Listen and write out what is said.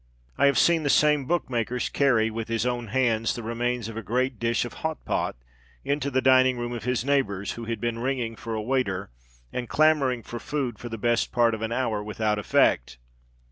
I have seen the same bookmaker carry, with his own hands, the remains of a great dish of "Hot pot" into the dining room of his neighbours, who had been ringing for a waiter, and clamouring for food for the best part of an hour, without effect.